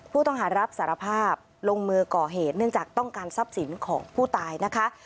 ผู้ต้องหารับสารภาพลงมือก่อเหตุเนื่องจากต้องการทรัพย์สินของผู้ตายนะคะ